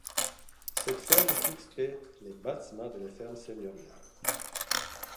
Cette ferme jouxtait les bâtiments de la ferme seigneuriale.